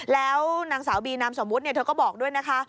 แล้วนางสาวบีนามสมมุติเธอก็บอกด้วยนะคะ